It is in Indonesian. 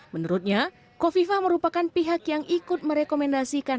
menurutnya kofifah merupakan pihak yang ikut merekomendasikan